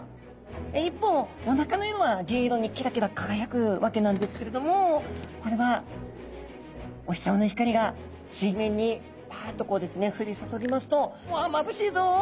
一方おなかの色は銀色にキラキラ輝くわけなんですけれどもこれはお日さまの光が水面にパッとこうですね降り注ぎますとうわまぶしいぞっと。